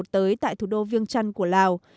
tới tại thủ đô viêng trăn của lào